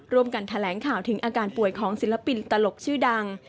ร่วมกันแถลงข่าวถึงอาการป่วยของศิลปินตลกชื่อดัง